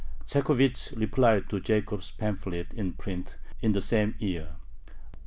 Chekhovich replied to Jacob's pamphlet in print in the same year.